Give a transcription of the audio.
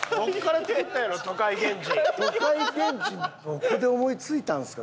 どこで思いついたんすか？